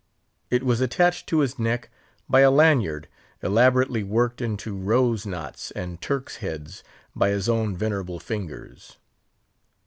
It was attached to his neck by a lanyard, elaborately worked into "rose knots" and "Turks' heads" by his own venerable fingers.